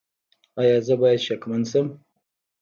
ایا زه باید شکمن شم؟